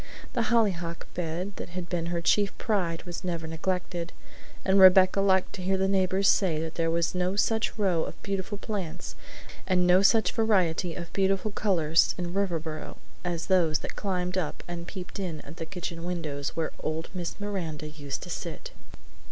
The hollyhock bed that had been her chief pride was never neglected, and Rebecca liked to hear the neighbors say that there was no such row of beautiful plants and no such variety of beautiful colors in Riverboro as those that climbed up and peeped in at the kitchen windows where old Miss Miranda used to sit.